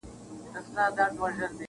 څوك به ګوري پر رحمان باندي فالونه-